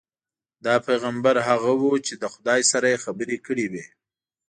دا پیغمبر هغه وو چې له خدای سره یې خبرې کړې وې.